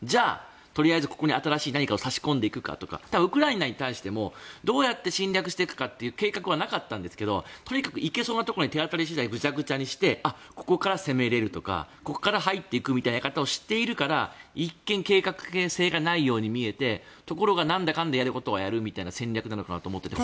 とりあえずここに新しい何かを差し込んでいくかとかウクライナに対してもどうやって侵略していくかという計画はなかったんですが行けそうなところをとりあえずぐちゃぐちゃにしてここから攻めれるということをしているから一見計画性がないように見えてところがなんだかんだやれることはやるみたいな戦略なのかと思っていて。